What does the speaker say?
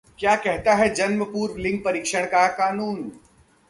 क्या कहता है जन्म पूर्व लिंग परीक्षण का कानून